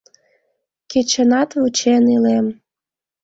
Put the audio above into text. Кечынат вучен илем.